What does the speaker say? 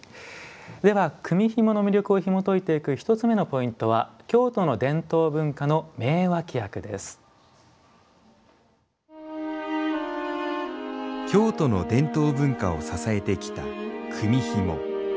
では組みひもの魅力をひもといていく１つ目のポイントは京都の伝統文化を支えてきた組みひも。